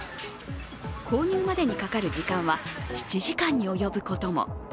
購入までにかかる時間は７時間におよぶことも。